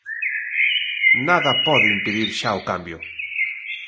Nada pode impedir xa o cambio.